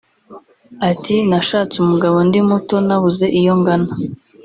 Ati “ Nashatse umugabo ndi muto nabuze iyo ngana